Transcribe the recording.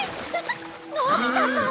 のび太さん！